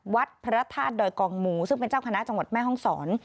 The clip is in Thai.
วัดพระธาตุดอยกองหมูซึ่งเป็นเจ้าคณะจังหวัดแม่ห้องศร